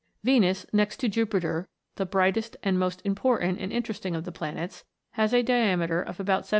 Venus, next to Jupiter the brightest and most im portant and interesting of the planets, has a diameter A FLIGHT THROUGH SPACE.